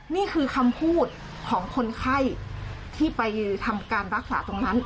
นี่คือคำพูดของคนไข้ที่ไปทำการรักษาตรงนั้น